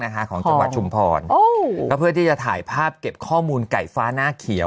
ของจังหวัดชุมพรก็เพื่อที่จะถ่ายภาพเก็บข้อมูลไก่ฟ้าหน้าเขียว